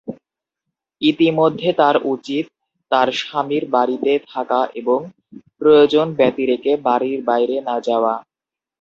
ইতিমধ্যে তার উচিত তার স্বামীর বাড়িতে থাকা এবং প্রয়োজন ব্যতিরেকে বাড়ির বাইরে না যাওয়া।